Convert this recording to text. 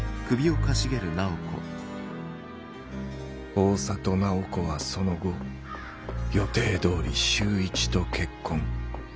大郷楠宝子はその後予定どおり修一と結婚。